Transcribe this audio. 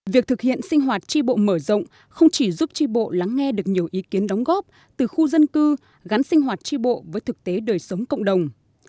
việc thực hiện sinh hoạt tri bộ mở rộng không chỉ giúp tri bộ lắng nghe được nhiều ý kiến đóng góp từ khu dân cư gắn sinh hoạt tri bộ với thực tế đời sống cộng đồng